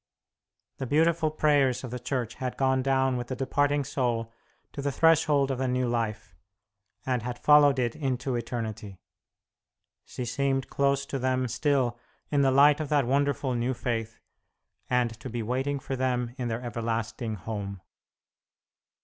The beautiful prayers of the Church had gone down with the departing soul to the threshold of the new life, and had followed it into eternity. She seemed close to them still in the light of that wonderful new Faith, and to be waiting for them in their everlasting home.